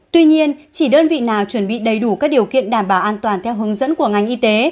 tuy nhiên chỉ đơn vị nào chuẩn bị đầy đủ các điều kiện đảm bảo an toàn theo hướng dẫn của ngành y tế